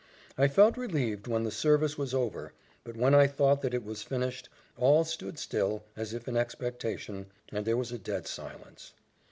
I felt relieved when the service was over; but when I thought that it was finished, all stood still, as if in expectation, and there was a dead silence.